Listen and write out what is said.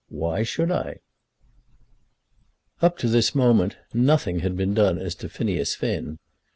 Why should I?" Up to this moment nothing had been done as to Phineas Finn.